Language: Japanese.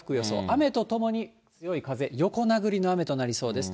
雨と共に強い風、横殴りの雨となりそうです。